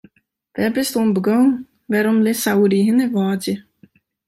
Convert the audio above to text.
Wêr bist oan begûn, wêrom litst sa oer dy hinne wâdzje?